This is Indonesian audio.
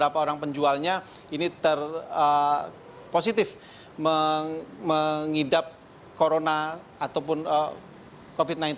positif mengidap corona ataupun covid sembilan belas